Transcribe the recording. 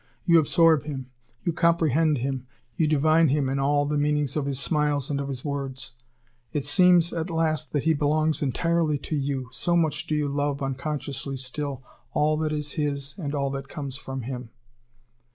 You absorb him; you comprehend him; you divine him in all the meanings of his smiles and of his words; it seems at last that he belongs entirely to you, so much do you love, unconsciously still, all that is his and all that comes from him.